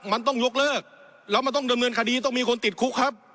มันต้องยกเลิกแล้วมันต้องดำเนินคดีต้องมีคนติดคุกครับ